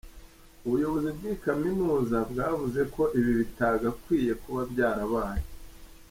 Ubuyobozi bw'iyi kaminuza bwavuze ko ibi bitagakwiye kuba byarabaye.